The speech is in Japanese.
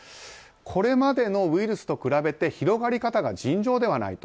これまでのウイルスと比べて広がり方が尋常ではないと。